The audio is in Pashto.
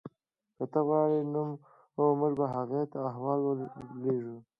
که ته غواړې نو موږ به هغې ته احوال ورلیږو